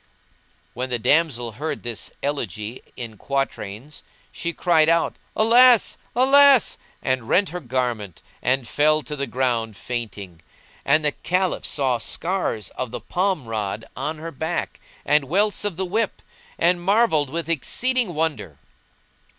When the damsel heard this elegy in quatrains she cried out "Alas! Alas!" and rent her raiment, and fell to the ground fainting; and the Caliph saw scars of the palm rod[FN#179] on her back and welts of the whip; and marvelled with exceeding wonder.